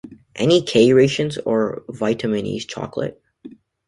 Any K rations or vitaminised chocolate?